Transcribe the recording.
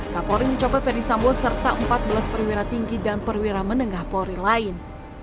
kapolri mencopot ferdisambo serta empat belas perwira tinggi dan perwira menengah polri lain